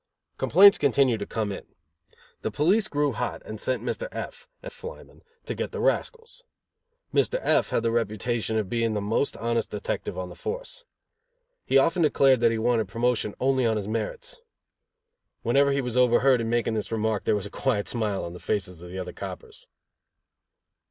Complaints continued to come in. The police grew hot and sent Mr. F , a flyman, to get the rascals. Mr. F had the reputation of being the most honest detective on the force. He often declared that he wanted promotion only on his merits. Whenever he was overheard in making this remark there was a quiet smile on the faces of the other coppers.